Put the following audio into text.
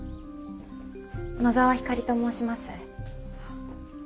野澤ひかりと申します。